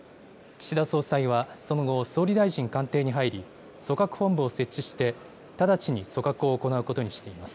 岸田総裁はその後、総理大臣官邸に入り、組閣本部を設置して、直ちに組閣を行うことにしています。